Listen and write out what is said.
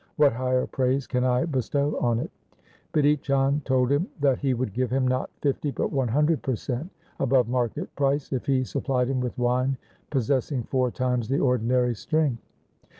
What higher praise can I bestow on it ?' Bidhi Chand told him that he would give him not fifty but one hundred percent, above market price, if he supplied him with wine possessing four times the ordinary strength.